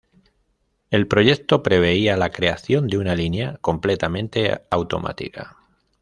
El proyecto preveía la creación de una línea completamente automática.